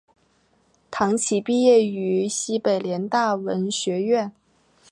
唐祈毕业于西北联大文学院。